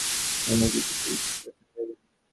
স্বামীজী দেখিয়া বিশেষ প্রসন্ন হইলেন।